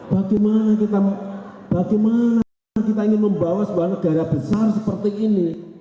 bagaimana kita ingin membawa sebuah negara besar seperti ini